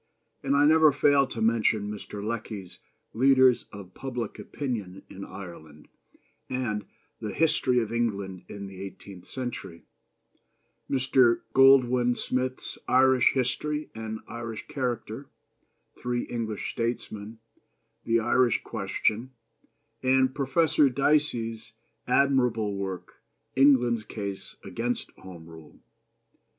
and I never fail to mention Mr. Lecky's Leaders of Public Opinion in Ireland and the History of England in the Eighteenth Century; Mr. Goldwin Smith's Irish History and Irish Character, Three English Statesmen, The Irish Question, and Professor Dicey's admirable work, England's Case against Home Rule.